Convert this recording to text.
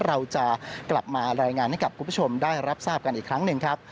เราจะกลับมารายงานให้กับคุณผู้ชมได้รับทราบกันอีกครั้งหนึ่งครับ